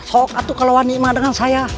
sokak itu keluar nyima dengan saya